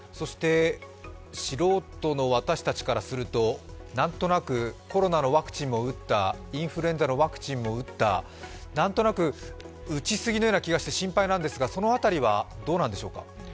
素人の私たちからすると、何となくコロナのワクチンも打った、インフルエンザのワクチンも打った打ちすぎのような気がして心配なんですが、その辺りはどうなんでしょうか？